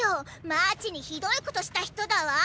マーチにひどいことした人だわ！